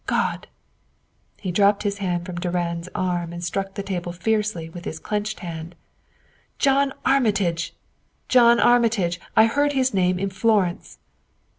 God!" He dropped his hand from Durand's arm and struck the table fiercely with his clenched hand. "John Armitage John Armitage! I heard his name in Florence."